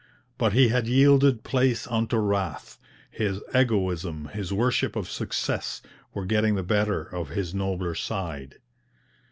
But he had yielded place unto wrath; his egoism, his worship of success, were getting the better of his nobler side.